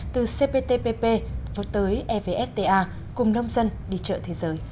từ cptpp và tới evfta cùng nông dân đi chợ thế giới